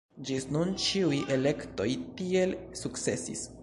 Ĝis nun ĉiuj elektoj tiel sukcesis.